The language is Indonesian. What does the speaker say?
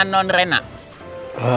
aku mau ketemu dengan nonrena